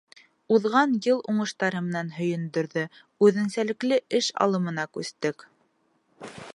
— Уҙған йыл уңыштары менән һөйөндөрҙө, үҙенсәлекле эш алымына күстек.